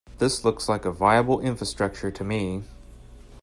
This looks like a viable infrastructure to me.